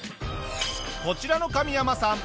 こちらの上山さん